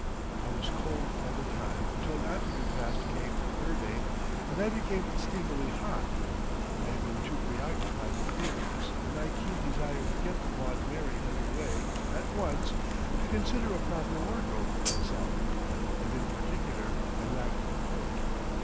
I was cold all the time until after we passed Cape Verde, then I became steamily hot; I had been too preoccupied with Beatrice and my keen desire to get the Maud Mary under way at once, to consider a proper wardrobe for myself, and in particular I lacked a coat.